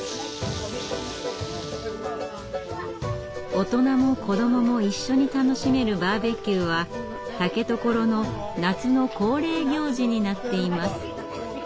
大人も子どもも一緒に楽しめるバーベキューは竹所の夏の恒例行事になっています。